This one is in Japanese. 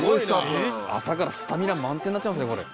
朝からスタミナ満点になっちゃいますねこれ。